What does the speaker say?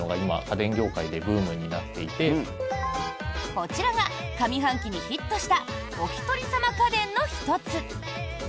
こちらが上半期にヒットしたおひとりさま家電の１つ！